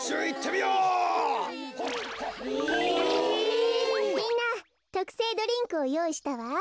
みんなとくせいドリンクをよういしたわ。